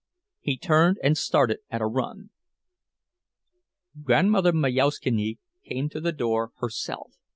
He turned and started at a run. Grandmother Majauszkiene came to the door herself.